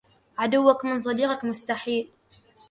عدوك من صديقك مستحيل